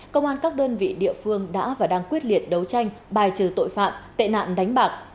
công an các đơn vị địa phương đã và đang quyết liệt đấu tranh bài trừ tội phạm tệ nạn đánh bạc